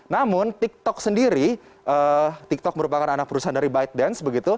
namun tiktok sendiri tiktok merupakan anak perusahaan dari bytedance